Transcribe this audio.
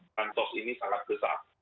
bantos ini sangat besar